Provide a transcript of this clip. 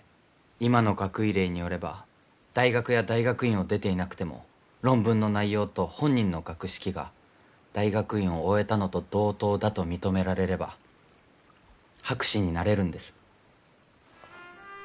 今の学位令によれば大学や大学院を出ていなくても論文の内容と本人の学識が大学院を終えたのと同等だと認められれば博士になれるんです。